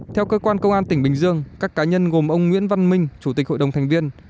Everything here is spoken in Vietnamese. theo cơ quan công an tỉnh bình dương các cá nhân gồm ông nguyễn văn minh chủ tịch hội đồng thành viên